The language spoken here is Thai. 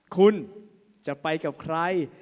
คุณจะไปกับใคร